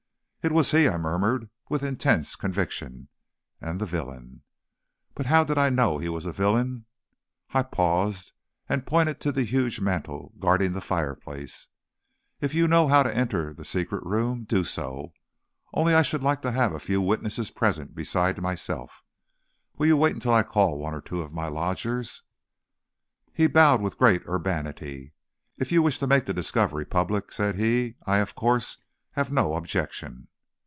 "It was he," I murmured, with intense conviction, "and the villain " But how did I know he was a villain? I paused and pointed to the huge mantel guarding the fireplace. "If you know how to enter the secret room, do so. Only I should like to have a few witnesses present besides myself. Will you wait till I call one or two of my lodgers?" He bowed with great urbanity. "If you wish to make the discovery public," said he, "I, of course, have no objection."